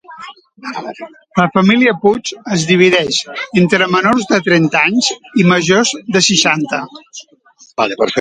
La família Puig es divideix entre menors de trenta anys i majors de seixanta.